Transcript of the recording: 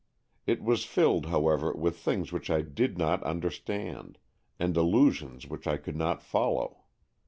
It was filled, how ever, with things which I did not understand, and allusions which I could not follow.